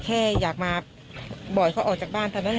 แค่อยากมาบ่อยเขาออกจากบ้านเท่านั้นแหละ